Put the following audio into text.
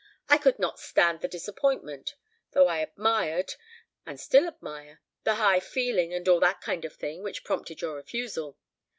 I could not stand the disappointment; though I admired, and still admire, the high feeling, and all that kind of thing, which prompted your refusal.